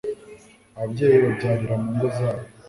ababyeyi babyarira mu ngo zabo